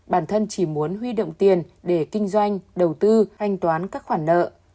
bản thân chỉ muốn huy động tiền để kinh doanh đầu tư anh toán các khoản nợ